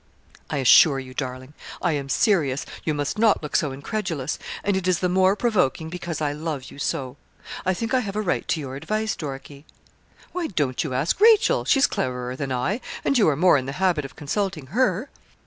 'I assure you, darling, I am serious; you must not look so incredulous; and it is the more provoking, because I love you so. I think I have a right to your advice, Dorkie.' 'Why don't you ask Rachel, she's cleverer than I, and you are more in the habit of consulting her?'